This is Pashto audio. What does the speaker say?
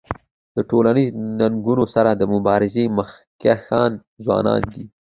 د ټولنیزو ننګونو سره د مبارزی مخکښان ځوانان دي.